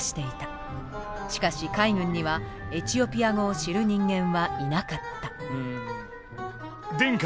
しかし海軍にはエチオピア語を知る人間はいなかった。